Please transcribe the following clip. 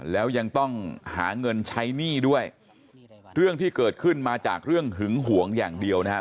แล้วยังต้องหาเงินใช้หนี้ด้วยเรื่องที่เกิดขึ้นมาจากเรื่องหึงหวงอย่างเดียวนะครับ